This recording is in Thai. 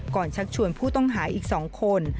ก่อนชักชวนผู้ต้องหาอีกสองคน